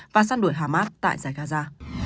và săn đuổi hamas tại giải gaza